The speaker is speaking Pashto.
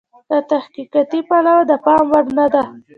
له تحقیقاتي پلوه د پام وړ نه ده.